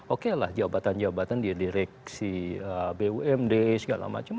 oke lah jabatan jabatan di direksi bumd segala macem